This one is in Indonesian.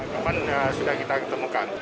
korban sudah kita temukan